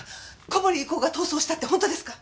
小堀育男が逃走したって本当ですか？